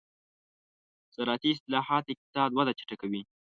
زراعتي اصلاحات د اقتصاد وده چټکوي.